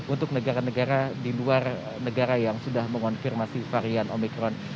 untuk negara negara di luar negara yang sudah mengonfirmasi varian omikron